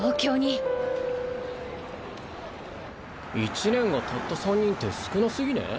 一年がたった３人って少なすぎねぇ？